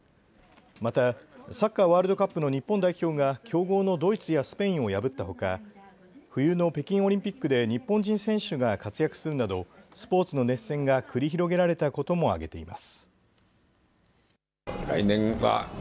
またサッカーワールドカップの日本代表が強豪のドイツやスペインを破ったほか冬の北京オリンピックで日本人選手が活躍するなどスポーツの熱戦が繰り広げられたことも挙げています。